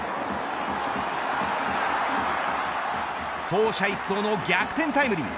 走者一掃の逆転タイムリー。